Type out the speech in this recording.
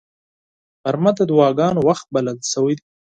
غرمه د دعاګانو وخت بلل شوی دی